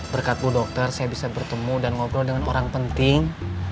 berkatku dokter saya bisa bertemu dan ngobrol dengan orang penting